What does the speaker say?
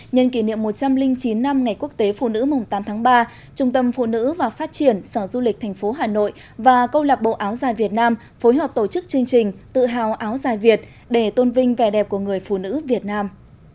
nhân kỷ niệm một trăm linh chín năm ngày quốc tế phụ nữ mùng tám tháng ba trung tâm phụ nữ và phát triển sở du lịch tp hà nội và câu lạc bộ áo dài việt nam phối hợp tổ chức chương trình tự hào áo dài việt để tôn vinh vẻ đẹp của người phụ nữ việt nam